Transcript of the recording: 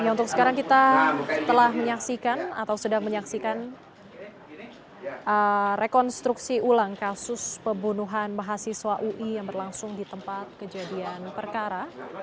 untuk sekarang kita telah menyaksikan atau sedang menyaksikan rekonstruksi ulang kasus pembunuhan mahasiswa ui yang berlangsung di tempat kejadian perkara